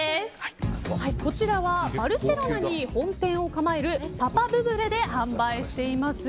こちらはバルセロナに本店を構えるＰＡＰＡＢＵＢＢＬＥで販売しています。